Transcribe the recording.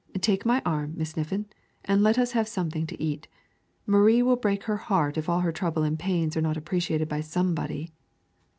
Take my arm, Miss Niffin, and let us have something to eat. Marie will break her heart if all her trouble and pains are not appreciated by somebody."